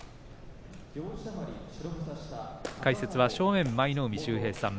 解説は正面が舞の海秀平さん